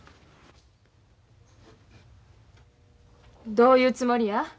どういうつもりや。